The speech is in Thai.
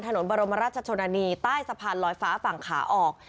บรมราชชนนานีใต้สะพานลอยฟ้าฝั่งขาออก